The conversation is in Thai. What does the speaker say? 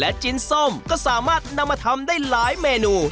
จิ้นส้มก็สามารถนำมาทำได้หลายเมนู